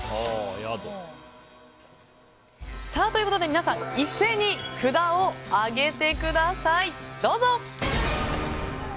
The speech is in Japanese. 皆さん一斉に札を上げてください。